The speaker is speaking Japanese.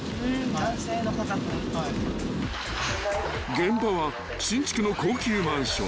［現場は新築の高級マンション］